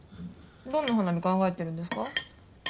どんな花火考えてるんですか？